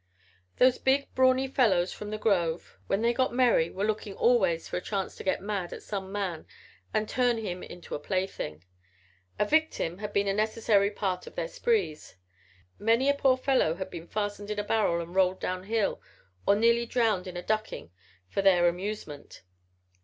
Those big, brawny fellows from the grove when they got merry were looking always for a chance to get mad at some man and turn him into a plaything. A victim had been a necessary part of their sprees. Many a poor fellow had been fastened in a barrel and rolled down hill or nearly drowned in a ducking for their amusement.